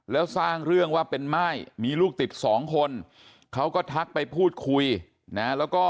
แล้วสร้างเรื่องว่าเป็นม่ายมีลูกติดสองคนเขาก็ทักไปพูดคุยนะแล้วก็